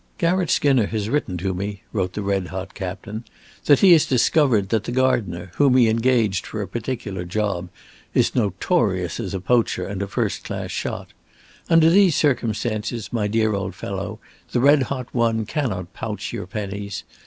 "Garratt Skinner has written to me," wrote the 'red hot' Captain, "that he has discovered that the gardener, whom he engaged for a particular job, is notorious as a poacher and a first class shot. Under these circumstances, my dear old fellow, the red hot one cannot pouch your pennies.